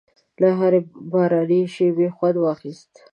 له هرې باراني شېبې خوند واخیست.